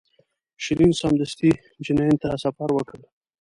شیرین سمدستي جنین ته سفر وکړ.